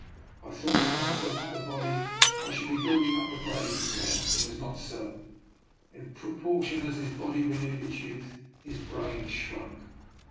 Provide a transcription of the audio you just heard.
I thought when I built up the body I should be building up the brain as well. It was not so. In proportion as his body renewed its youth, his brain shrunk.